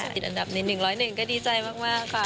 ติดอันดับนิด๑๐๑ก็ดีใจมากค่ะ